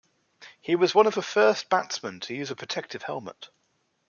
He was one of the first batsmen to use a protective helmet.